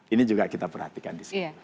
ini juga kita perhatikan disini